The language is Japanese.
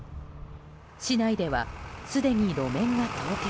市内ではすでに路面が凍結。